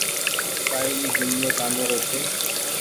ڪآئي اي جملو ڪآمي رو ڇي۔